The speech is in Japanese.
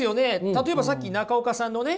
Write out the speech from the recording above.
例えばさっき中岡さんのね